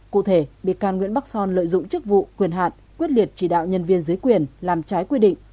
cụ thể bị can nguyễn bắc son lợi dụng chức vụ quyền hạn quyết liệt chỉ đạo nhân viên dưới quyền làm trái quy định